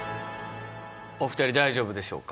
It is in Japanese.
お二人大丈夫でしょうか？